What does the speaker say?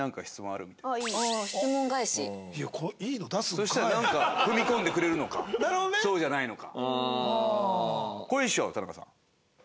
そしたらなんか踏み込んでくれるのかそうじゃないのか。